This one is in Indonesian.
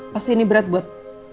pasti ini berat buat